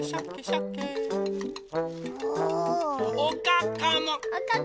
おかかも。